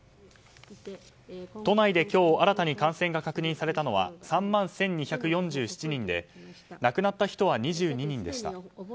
都内で今日新たに感染が確認されたのは３万１２４７人で亡くなった人は２２人でした。